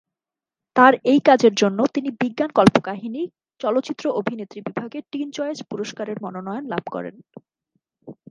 তার এই কাজের জন্য তিনি বিজ্ঞান কল্পকাহিনী/কাল্পনিক চলচ্চিত্র অভিনেত্রী বিভাগে টিন চয়েজ পুরস্কারের মনোনয়ন লাভ করেন।